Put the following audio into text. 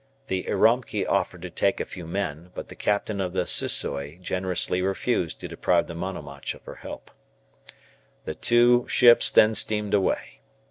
The "Iromki" offered to take a few men, but the captain of the "Sissoi" generously refused to deprive the "Monomach" of her help. The two ships then steamed away.